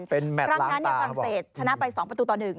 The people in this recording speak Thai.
ครั้งนั้นฝรั่งเศสชนะไป๒ประตูต่อ๑